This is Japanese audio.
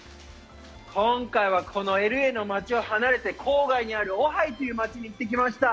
今回はこのＬ．Ａ．の街を離れて郊外にあるオハイという街に行ってきました。